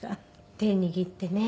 手握ってね